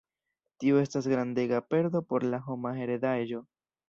Tio estas grandega perdo por la homa heredaĵo.